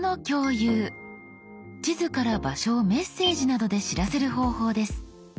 地図から場所をメッセージなどで知らせる方法です。